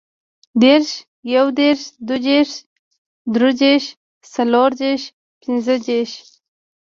دېرش, یودېرش, دودېرش, دریدېرش, څلوردېرش, پنځهدېرش